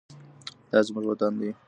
دا زموږ وطن دی.